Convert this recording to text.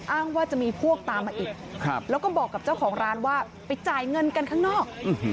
อ้างว่าจะมีพวกตามมาอีกแล้วก็บอกกับเจ้าของร้านว่าไปจ่ายเงินกันข้างนอก